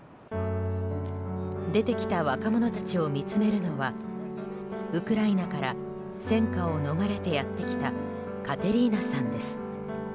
出てきた若者たちを見つめるのはウクライナから戦禍を逃れてやってきたカテリーナさんです。